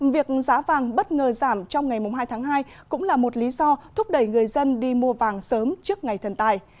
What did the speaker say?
việc giá vàng bất ngờ giảm trong ngày hai tháng hai cũng là một lý do thúc đẩy người dân đi mua vàng sớm trước ngày thần tài